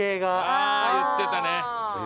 ああ言ってたね。